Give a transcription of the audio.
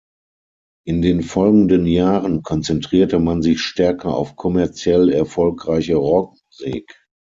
In den folgenden Jahren konzentrierte man sich stärker auf kommerziell erfolgreiche Rockmusik.